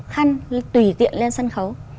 khăn tùy tiện lên sân khấu